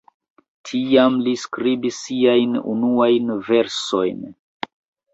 Tiam li skribis siajn unuajn versojn.